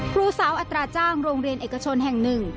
ครูสาวอัตราจ้างโรงเรียนเอกชนแห่งหนึ่ง